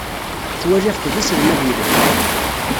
Ttwaliɣ-t d aselmad yelhan.